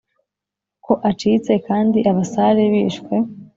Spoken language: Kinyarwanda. ko acitse kandi abasare bishwe